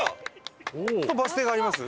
バス停があります？